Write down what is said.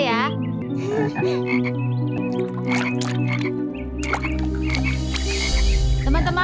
tidak ada kacau